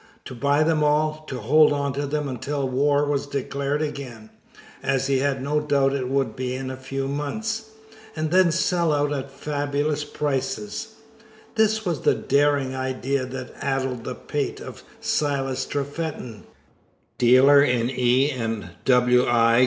To buy them all, to hold on to them until war was declared again (as he had no doubt it would be in a few months), and then sell out at fabulous prices this was the daring idea that addled the pate of Silas Trefethen, "Dealer in E. & W. I.